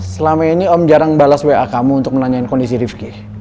selama ini om jarang balas wa kamu untuk menanyakan kondisi rifki